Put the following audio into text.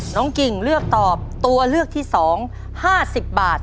กิ่งเลือกตอบตัวเลือกที่๒๕๐บาท